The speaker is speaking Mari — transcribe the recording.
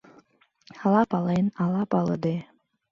Ала пален, ала палыде.